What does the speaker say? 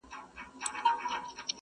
له ګلفامه سره لاس کي ېې جام راوړ,